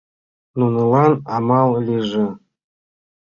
— Нунылан амал лийже.